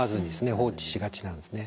放置しがちなんですね。